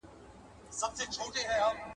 دروه او د بې وفايي په تورونو لګوونکو کي